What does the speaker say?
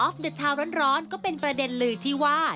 สุดท้ายร้อนก็เป็นประเด็นหลืดที่ว่า